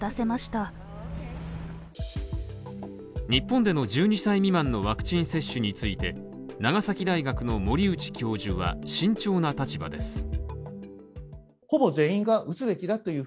日本での１２歳未満のワクチン接種について、長崎大学の森内教授は慎重な立場です。